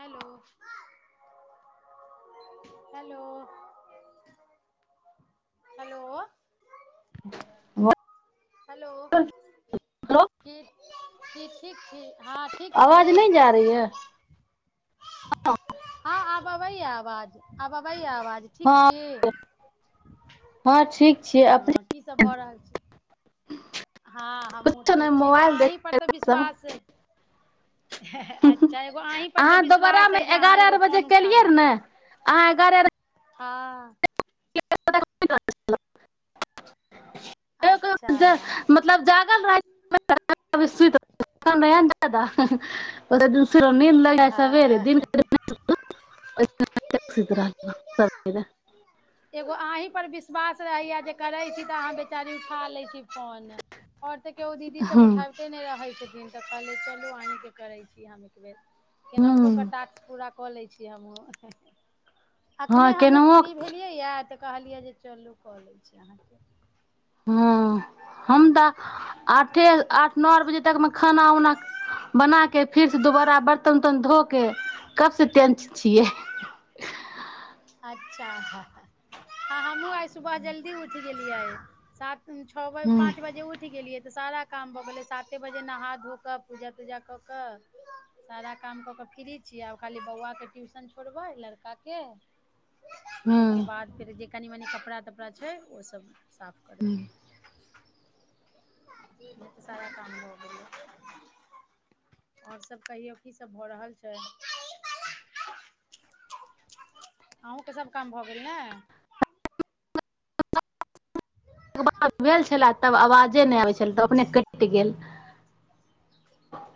Hello hello hello [inaudible] hello कि कि ठीक छी हँ ठीक छी आवाज नहि जा रही है हँ आब अबैया आवाज आब अबैय आवाज बाज ठीक हँ छी हँ ठीक छियै ह की सब अपने भऽ रहल छै हँ हमहूँ कुछो नहि ठीक छीिय एगो मोबाइल देख अहीं पर तऽ सब विश्वास ह अच्छा एगो अहीं पर तऽ अहाँ दोबारा विश्वास मे है जे अहाँ एगारह एगो आर बजे फोन उठा केलियै र ले ने छी अहाँ एगारह हां अच्छा [unintelligible] मतलब जागल रह ने जा [unintelligible] र नर लग हँ से दिन एगो अहीं पर विश्वास रहेया जे करे छी तऽ अहाँ बेचारी उठा ले छी कोन ओर तऽ केओ दीदी सब हूँ उठाबते नहि रहै छै िन तऽ कहले चलो अहींके करै छी हम एकबेर केना तो हूँ कटा पूरा कऽ लै छीय हमूँ अखने हँ हमहूँ फ्री केनाहु भेलियै या तऽ कहलियै जे चलू कऽ लै छै अहाँके ह हम तऽ आठे आठ नओ आठ बजे तक मे खाना उना बना के फिर दोबारा बर्तन उर्तन ध के कब से तेंच छियै अच्छा हम सुबह जल्दी उठ के लिय आए साात छओ हूँ पाँच बजे उठ गेलियै सारा काम भऽ गेलै साते बजे नह सारा काम कऽ कऽ फ्री छी आब खाली बौआके ट्यूशन छोड़बै लड़काके ताहिके हूँ बाद फेर जे कनि मनी कपड़ा तपड़ा छै ओ सब साफ करबै त सारा काम भऽ गेल आओर सब कहियौ की सब भऽ रहल छै अहूँके सब काम भऽ गेल ने बाद भेल छलय तब आवाजे नहि आबै छलय तऽ अपने कटि गेल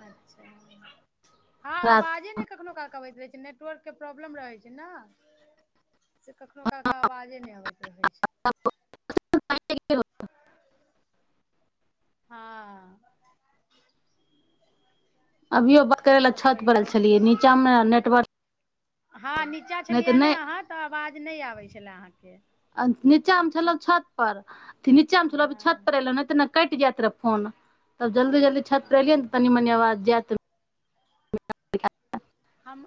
अच्छा हँ‌ राति। आबाजे ने कखनो कालके अबैत रहै छै नेटवर्क के प्रॉब्लम रहै छै ने से कखनो काल कऽ आवाजे नहि अबैत रहै छै [inaudible] [unintelligible] हँ अभियो बात करय आओर लए सब छत पड़ल कहियौ छलियै नीचाँमे ने नेटवर्क हँ नीचाँ नहि तऽ छलियै ने नहि अहाँ तऽ आवाज नहि आबै छलए अहाँके नीचा मे छल छत पर नीचा मे छल छत हँ पर एलहु नहि तऽ कटि जायइत रहऽ फोन तब जलदी जल्द छातत्र ए गेले हँ तनी मने आबाज जाात [inaudible] हम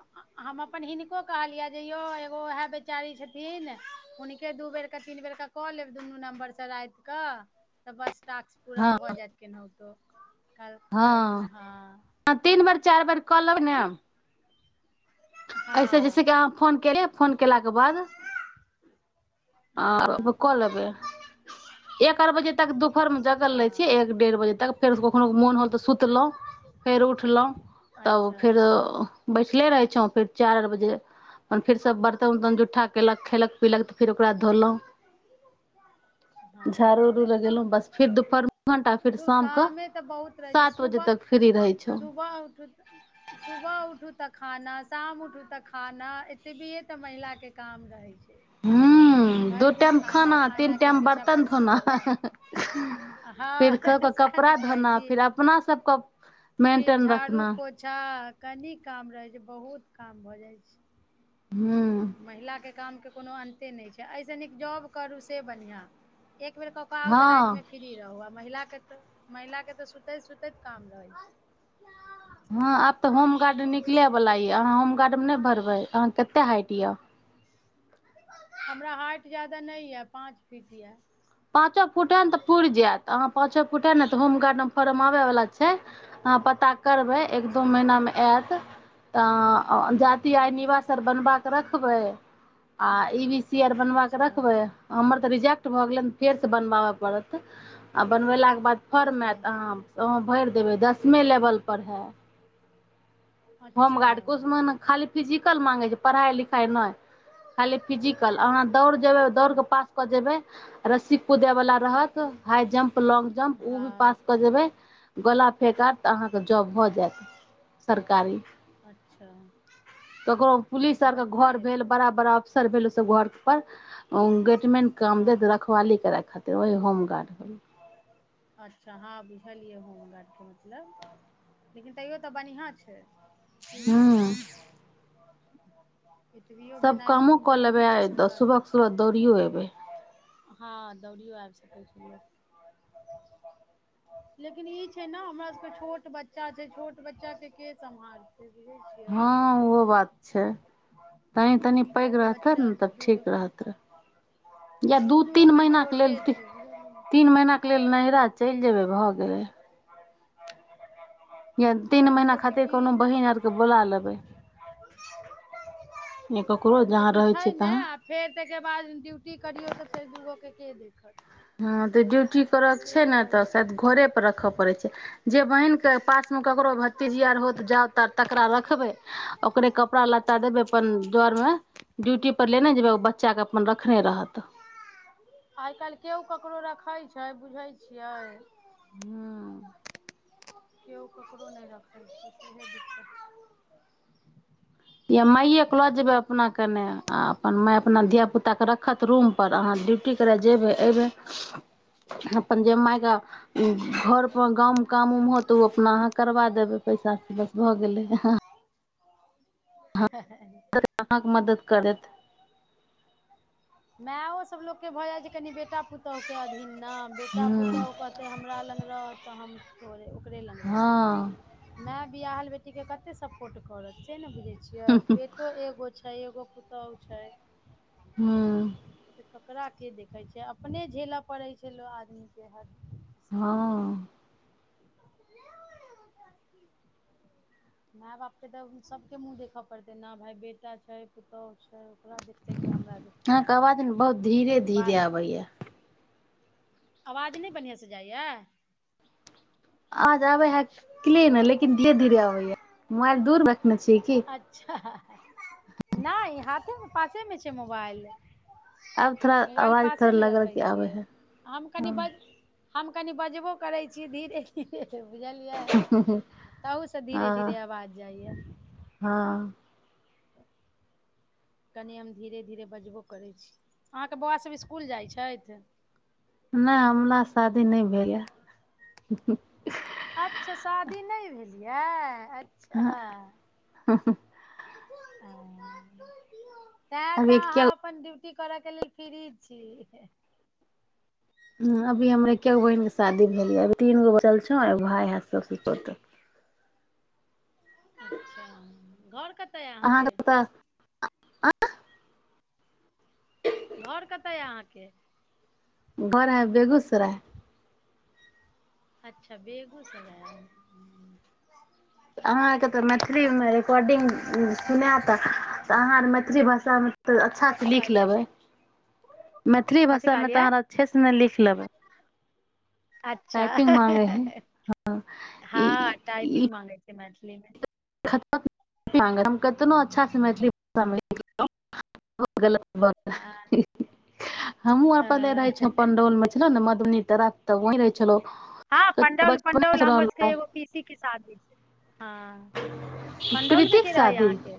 हम अपन हिनको कहलियै जे यौ एगो ओएह बेचारी छथिन हुनके दू बेरकेऽ तीन बेरकेऽ कऽ लेब दुनू नम्बरसँ रात कऽ तऽ बस टास्क पूरा हँ भऽ जायत केनहितो तो कल कलकिन हँ चार बर कलकमे की ऐसे जैसे हँ कहाँ फोन केरेब फोन केलाके बाद आब हँ कलेबे एक आर बजे तक दुपहर मे जगल रहे छीियै हँ एक डेढ़ बजे तक फेर कखननो मोन होल तऽ सुतलहु फेर उठलहुँ तब अच्छा फेर बैठले रहै छौ फेर चार चाइर बजे फेर सभ बर्तन उर्तन जुट्ठा कयलक खयलक पीलक तऽ फेर ओकरा धोलहुँ झाड़ू उड़ू हँ लग गेलहुँ बस फेर दुपहर घंटा फेर दूर शामके कामे तऽ बहुत रहै छै सात बजे सुबह तक फ्री रहै छौ सुबह उठू सुबह उठू तऽ खाना शाम उठू तऽ खाना एतबिए तऽ महिलाके काम रहय छै हूं दू भरि दिन टाइम खाना तीन खानाके टाइम पीछा बर्तन परेशान धोना भेल रहू फिर क हँ के सएह ने कपड़ा कहै धोना छी फिर अपना सबक मेंटेन रखना ह कनी काम रहै छै बहुत काम भऽ जाइ छै हूँ महिला के कामके कोनो अन्ते नहि छै एहिसँ नीक जॉब करू से बढ़ियाँ एक बेेर कऽ केऽ आउ तऽ राति मे हँ फ्री रहु आ महिला के महिला के तऽ सुतैत सुतैत काम रहै छै हँ आब तऽ होमगार्ड निकले छै वाला से ये अहाँ होमगार्ड मे नहि भरबै अहाँ कते हाइट यऽ हमरा हाइट जादा नहि यए पाँच फीट यए अचक फुटन तऽ पूरि जायत अहाँ पाँच फुट हय न तऽ होमगार्डमे भरब माबय वला छै अहाँ पता करबै एक दू अच्छा महीनामे आएत तऽ जाति आय निवास आर बनबाक' रखबै आ ई बी सी आर बनव अच्छा रखबै हमर तऽ रिजेक्ट त' भ गेलन फेर से बनबाब' पड़त आ बनबेलाक बाद फर्म अच्छा आएत अहाँ भरि देबै दसमे लेवलपर हए अच्छा होमगार्ड कोश मन खाली फिजिकल मांगय छै पढाइ लिखा नहि खाली फिजिकल अहाँ दौड़ जेबय दौड़ अच्छा कऽ पास कऽ जेबय रस्सी कूदय बला रहत हाइ जम्प लॉग जम्प उ भी हँ पास कऽ जेबै गोला फेेकब तऽ अहाँके जॉब भऽ जायत सरका कारी अच्छा ककरो पुलिस तऽ आर के बढ़िआँ घर भेल हेतै बड़ा बड़ा अफसर भेल ओ सब वर्क पर गेट मेन काम देत हँ रखवाली करय खातिर तऽ ओही होमगार्ड होलै अच्छा हँ बुझलियै होमगार्डके मतलब लेकिन तैयो तऽ बढ़ियाँ छै हूँ [unintelligible] एतबियो सभ भेनाइ कामो कऽ लेबै जरूरी छै आइ सुबह सरकारीमे क सुबह दौड़ियो एबै हँ दौड़ियो आबि सकै छी लेकिन ई छै न हमरा सबके छोट बच्चा छै छोट बच्चा के के सम्हार हँ ओहो बात छै तनी तनी पैघ छोट रहत बच्चा ने दू तखन दूगो ठीक के रहत रहय या दू दुनू तीन एखन महीना छोटे छै बुझलियै केँ लेल नैहरा चलि जाय। भऽ गेलै। या तीन अखन महीना खातिर छोटकी कोनो बहिन आरके बोला लेबै या ककरो जहाँ लेकिन रहै छै छियै ने तहाँ आ फेर ताहिके बाद ड्यूटी करियौ तऽ फेर दगो के के [unintelligible] देब ख [unintelligible] हँ तऽ ड्यूटी करयकेँ छै ने भऽ तऽ जाइ छै शायद घरे पर रखय पड़य छैक। जे बहिनक केँ पास ककरो भतीजी हो जाउ त तकरा रखबय ओकरे कपड़ा लत्ता देबय अपन जर में ड्यूटी पर लेने जेबय! बच्चाकेँ अपन रखने रहत।। आइ काल्हि केओ ककरो रखैत छै बुझैय छियैक। हुं [inaudible] केओ ककरो नहि रखैत अछि। या माइएकेँ लऽ जयबै अपना कनेऽ आ छै अपन माय अपना धियापुताकेँ रखत रूमपर अहाँ ड्यूटी करय जयबै अयबै अपन जे मायके घरपर गाँवमे काम होत ओ अपना अहाँ करबा देबय पायसँ बस भऽ गेलै [inaudible] अहाँक मदद करत। मायो सब लोककेँ भऽ जाय छै कनेक बेटा पुतहु केँ अधीन नहि बेटा हूँ पुतौहु कहतै हमरा लग रहऽ तऽ हम बरे [inaudible] कपड़े लङग हँ रह मै [unintelligible] [unintelligible] बिआहल बेटी केँ कते सपोर्ट करत से नहि बुझैत छियैक। बेटो एगो छैक पुतहु छैक। हूं [inaudible] ओकरा केँ देखय छैक अपने झेलय पड़ैत छैक लोककेँ। हूं माय बाप केँ तऽ सबकेँ मुँह देखय पड़तै छैक न भाइ, बेटा छैक पुतहु छैक। ओकरा देखितै कि हमरा देखितै अहाँके [unintelligible] बहुत आवाज धीरे -धीरे आबैत अछि। आवाज नहि बढ़िआसँ जाइत अछि। आवाज आबैत अछि क्लीन मुदा धीरे- धीरे आबैत अछि मोबाइल दूर रखने छीयै कि। नई हाथेमे पासे मे छैक मोबाइल आब थोड़ा मोबाइल आवाज थोड़ा पासेमे लगल रखै कि आबैत छियै अछि।। हम कनि बज हम कनेक बजबो करै छीयै धीरे -धीरे बुझलियै तहूसँ धीरे ह धीरे आवाज जाइय हँ कनेक हम धीरे धीरे बजबो करैत छी अहाँके बौआ सब इसकुल जाइत छथि। नहि हमरा शादी नहि भेल अछि। अच्छा शादी नहि भेल अछि। अच्छा [inaudible] तैं तऽ अभी एके अहाँ अपन डिउ [unintelligible] छती कर के लेल फ्री छी [unintelligible] हँ अभी हमर एकैगोट बहिनकेँ शादी भेल अछि अभी तीन गोट बचल छैक भाय अछि सबसँ छोट। अच्छा [unintelligible] घर क अहाँके पता आँ [inaudible] घर कतय अछि अहाँके घर अछि बेगूसराय। अच्छा बेगूसराय। अहाकेँ तऽ मैथिलीमे रिकॉर्डिंग सुनिकेँ मैथिली भाषामे तऽ अहाँ सब अच्छे सँ कथी लिख कहलियै लेबय मैथिली कथी भाषामे कहलियै तऽ अहाँ अच्छेसँ नहि लिख लेबय अच्छा ई हां टाइपिंग माँगय छै नहि [inaudible] खत मल हम कतनो अच्छासँ मैथिली भाषामेहु ग [inaudible] ब हँ हमूँ आर पले रहे तऽ छ पंडौल मे मे छल ने [unintelligible] तऽ रखत वहि रहैत छलहुँ। हँ पंडौल बचपने मे से हमर सबकेँ रहलहुँ एगोट पीसी केँ शादी छैक। हँ पंडौल मे प्रीतिक केँ रहैत अछि शादी अहाँके,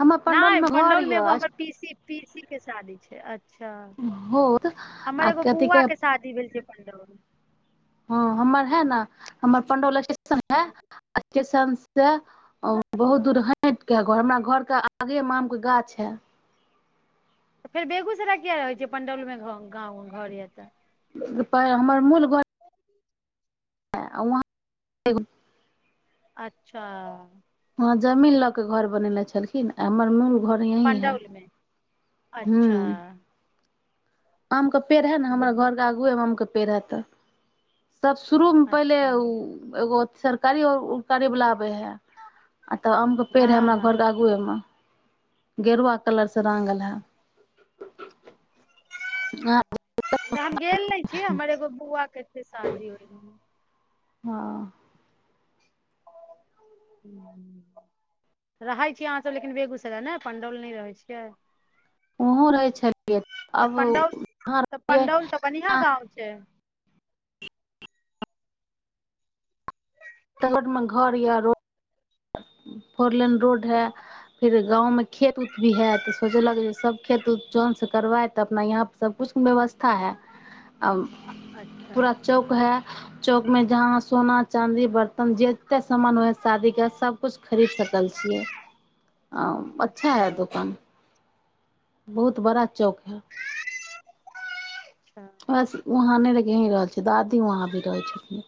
हमर नहि पंडौलमे घर पंडौल मे एगो यऽ हमर पीसी केँ शादी छैक अच्छा होत हमर आ एगो कथी के बुआ केँ शादी भेल छैक। पन्दब [inaudible] हँ हमर है ने हमर पणडव लक्ष्मी [unintelligible] समय हँ [inaudible] स्टेशन सँ बहुत दूर हटिकेँ हमरा घर केँ आगाँ आम केँ गाछ अछि। फेर बेगूसराय किया रहैत छियैक पंडौलमे घर अछि तऽ। हमर मूल घर वहाँ [inaudible] अच्छा। वहाँ जमीन लऽ केँ घर बनेने छलखिन। हमर मूल घर यही है। पंडौल मे अच्छा आम क पेड़ है ने हमरा हँ घरकेँ आगुए मे। पे रह तऽ [unintelligible] त शुरू मे पहिले अच्छा एगो सरकारी बला आबैत अछि। आ तऽ आम केँ पेड़ अछि हँ हमरा हँ घरकेँ आगुए मे। गेरुआ कलर से रंगग हँ एल है हँ हम गेल ने छी हमर एगो बौआ के शादी होइ हँ रहै छीियै अहाँसभ लेकिन बेगूसराय ने पंडौल नहि रहै छियै वहहो रहै छलियै तऽ आब पंडौल तऽ वहाँरहिये पंडौल तऽ बढ़िआँ गाँव छै रो फोर लेन रोड है फिर गांवं खेत उत भी है तऽ सोचलक जे सब खेत उत जन से करवााय त अपना यहा पर सब कुछ मे व्यवस्था व्यवस्था है अ अच्छा पूरा चौक है चौक में जहााँ सोना चाँदी बर्तन जते सामान हु ह शादी के सब किछु खरीद सकल छियै आ अच्छा हइ दोकान बहुत बड़ा चौक है अच्छा बस वहाँ नहि रह यी रहल छै दादी वहाँ भी रहै छथिन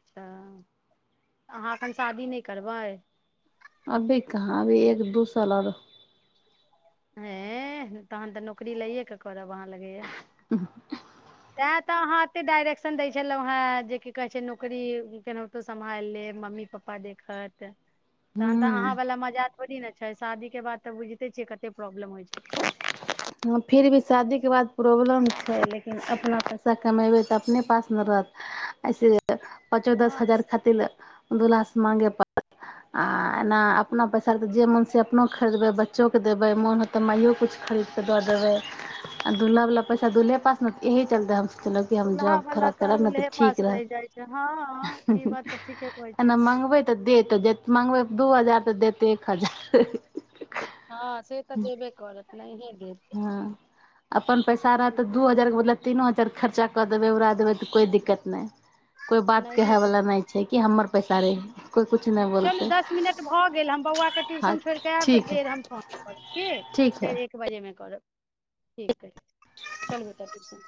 अच्छा अहाँ एखन शादी नहि करबै अभी कहाँ अभी एक दूसाल अओर हे तहन तऽ नौकरी लैएके करब वाँ लगे य नहि तऽ अहाँ एतेक डाइरेक्शन दै छलहुँ हेँ जे की कहैत छै नौकरी केनाहितो सम्हालि लेब मम्मी पप्पा देखत तहन तऽ अहाँ हूँ वला मजा ओ दिन छै शादी के बाद तऽ बुझिते छियै कते प्रॉब्लम होइ छै हँ फिर भी शादी के बाद प्रॉब्लम छै लेकिन अपना पैसा कमेबै तऽ अपने पास ने रहत अऐसे पाँचो दस हँ हजार खातिर ल दलाासमे प आ अपना पैसाे तऽ जे मोन छै अपनो खरिदबै ब चौोक देबै मन होतै माइो किछु खरीद के दऽ देबै आ दुलहा वाला पैसा दुल्हे पास ने एहि चलते हम सोचलहु कि हम दुल्हा जॉब वाला थोड़ा करब ने तऽ दुल्हे ठीक पास रहत रहि जाइ छै हँ ई बात तऽ ठीके कहै छी एना अहाँ मंगबे तऽ दे त मंगबै दू हजार तऽ देतै एक हजार हँ सेत देे बे करत नहि ह हँ अपन पैसा रह तऽ दू हजार के मतलब तीनो हजार खर्चा कऽ देबै उड़ा देबै तऽ कोइ दिक्कत नहि कोइ बात कहे वला नहि छै कि हमर पैसा रह चलू दस मिनट भऽ गेल हम बौआकेँ हँ ट्यूशन छोड़ि कऽ आयब तऽ ठीक हइ फेर हम फोन करब कि ठीक हइ फेर एक बजेमे करब ठीक अछि चल बेटा ट्यूशन